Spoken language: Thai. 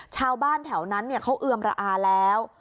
ชาวบ้านแถวนั้นเขาเอือมระอาแล้ว